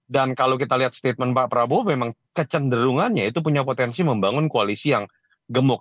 dan kalau kita lihat statement pak prabowo memang kecenderungannya itu punya potensi membangun koalisi yang gemuk